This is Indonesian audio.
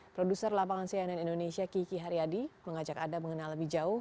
produser lapangan cnn indonesia kiki haryadi mengajak anda mengenal lebih jauh